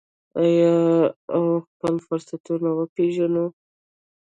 آیا او خپل فرصتونه وپیژنو؟